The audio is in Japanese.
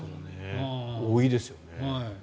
多いですよね。